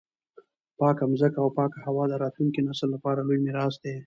پاکه مځکه او پاکه هوا د راتلونکي نسل لپاره لوی میراث دی.